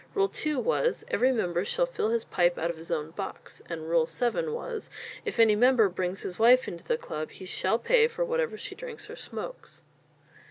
Rule II was, "Every member shall fill his pipe out of his own box"; and Rule VII was, "If any member brings his wife into the club, he shall pay for whatever she drinks or smokes."